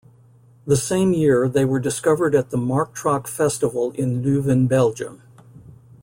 The same year they were discovered at the Marktrock festival in Leuven, Belgium.